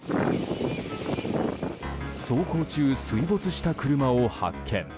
走行中、水没した車を発見。